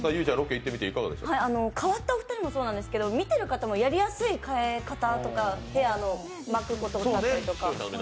変わったお二人もそうなんですけど、見てる方もやりやすい変え方とかヘアを巻くことだったりとか。